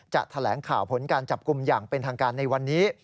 แถลงข่าวผลการจับกลุ่มอย่างเป็นทางการในวันนี้